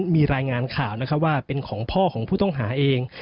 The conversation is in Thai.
มีรายงานข่าวว่าเป็นของพ่อของผู้ต้องหาเอง